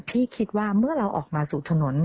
คิดว่าเมื่อเราออกมาสู่ถนน